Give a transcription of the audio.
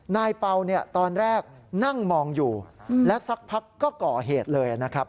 เป่าเนี่ยตอนแรกนั่งมองอยู่และสักพักก็ก่อเหตุเลยนะครับ